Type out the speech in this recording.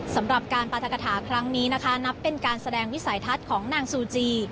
สำหรับการปรัฐกฐาครั้งนี้นะคะนับเป็นการแสดงวิสัยทัศน์ของนางซูจี